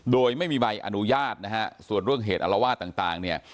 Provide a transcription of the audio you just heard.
โดยไม่มีใบอนุญาตนะฮะส่วนเรื่องเหตุอารวาสต่างเนี่ย